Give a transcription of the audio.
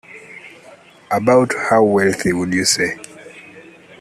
About how wealthy would you say?